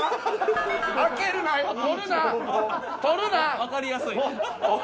わかりやすい。